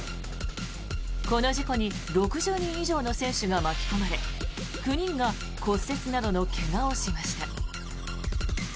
この事故に６０人以上の選手が巻き込まれ９人が骨折などの怪我をしました。